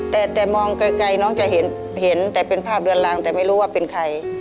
แต่มองไกลน้องจะเห็นแต่เป็นภาพเรือนรังแต่ไม่รู้ว่าเป็นใคร